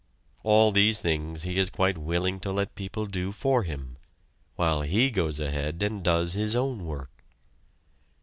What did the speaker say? All these things he is quite willing to let people do for him, while he goes ahead and does his own work.